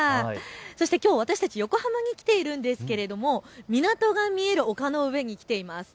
そしてきょう私たちはきょう横浜に来ているんですが港が見える丘の上に来ています。